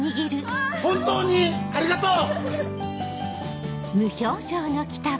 本当にありがとう！